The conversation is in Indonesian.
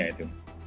tapi sepatu pria